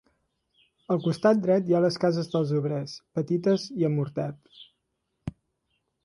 Al costat dret hi ha les cases dels obrers, petites i amb hortet.